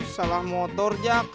salah motor jak